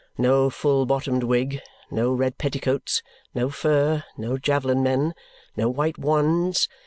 No full bottomed wig, no red petticoats, no fur, no javelin men, no white wands.